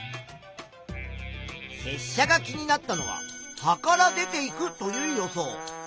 せっしゃが気になったのは葉から出ていくという予想。